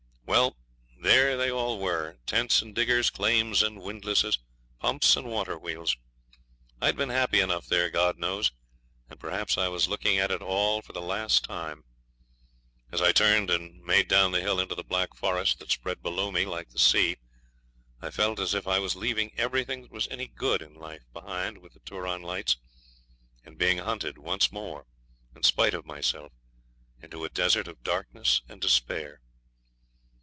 Well, there they all were, tents and diggers, claims and windlasses, pumps and water wheels. I had been happy enough there, God knows; and perhaps I was looking at it all for the last time. As I turned and made down the hill into the black forest that spread below me like the sea, I felt as if I was leaving everything that was any good in life behind with the Turon lights, and being hunted once more, in spite of myself, into a desert of darkness and despair.